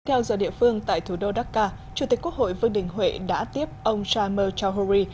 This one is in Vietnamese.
theo giờ địa phương tại thủ đô dakar chủ tịch quốc hội vương thỉnh huệ đã tiếp ông sharm el chahuri